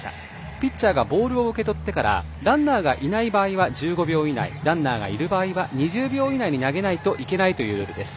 ピッチャーがボールを受け取ってからランナーがいない場合は１５秒以内ランナーがいる場合は２０秒以内に投げないといけないというルールです。